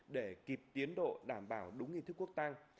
để kịp tiến độ đảm bảo đúng nghi thức quốc ta